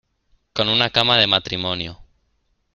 con una cama de matrimonio,